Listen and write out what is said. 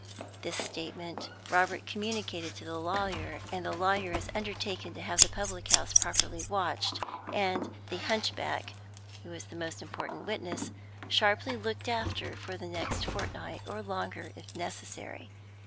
This statement Robert communicated to the lawyer, and the lawyer has undertaken to have the public house properly watched, and the hunchback (who is the most important witness) sharply looked after for the next fortnight, or longer if necessary.